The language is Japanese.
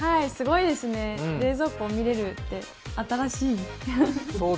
すごいですね、冷蔵庫が見れるって新しい。